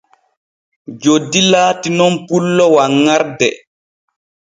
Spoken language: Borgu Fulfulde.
Joddi laati nun pullo wanŋarde.